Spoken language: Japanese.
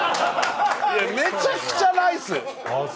めちゃくちゃライス。